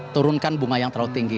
turunkan bunga yang terlalu tinggi